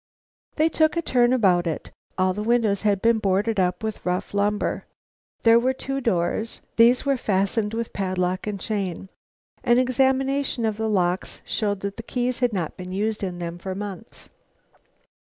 They took a turn about it. All the windows had been boarded up with rough lumber. There were two doors. These were fastened with padlock and chain. An examination of the locks showed that keys had not been used in them for months.